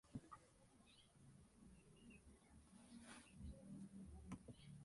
Allí en la ciudad de Wurzburgo fue consagrado obispo.